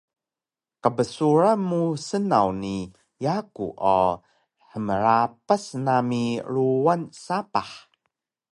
Qbsuran mu snaw ni yaku o hmrapas nami ruwan sapah